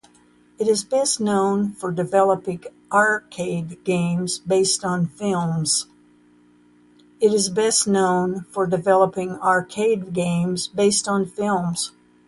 It is best known for developing arcade games based on films.